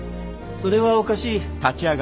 それはおかしい。